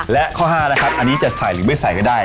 และข้อ๕นะครับอันนี้จะใส่หรือไม่ใส่ก็ได้